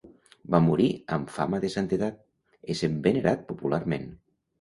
Va morir amb fama de santedat, essent venerat popularment.